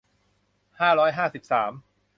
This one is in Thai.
ห้าร้อยห้าสิบสาม